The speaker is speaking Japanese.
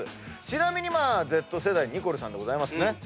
ちなみにＺ世代ニコルさんでございますね。